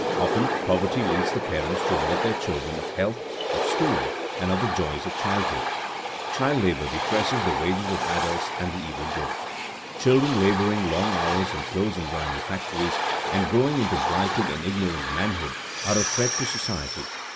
Often poverty leads the parents to rob their children of health, of schooling, and of the joys of childhood. Child labor depresses the wages of adults and the evil grows. Children laboring long hours in close and grimy factories, and growing into blighted and ignorant manhood, are a threat to society.